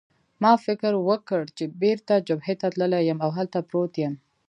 ما فکر وکړ چې بېرته جبهې ته تللی یم او هلته پروت یم.